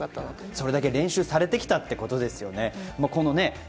それだけ練習されてきたっていうことですよね。